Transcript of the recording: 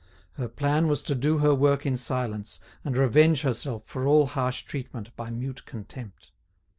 Her plan was to do her work in silence, and revenge herself for all harsh treatment by mute contempt.